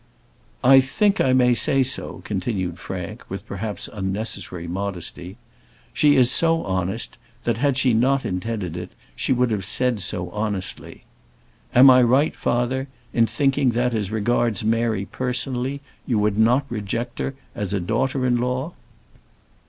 "I think I may say so," continued Frank, with perhaps unnecessary modesty. "She is so honest that, had she not intended it, she would have said so honestly. Am I right, father, in thinking that, as regards Mary, personally, you would not reject her as a daughter in law?"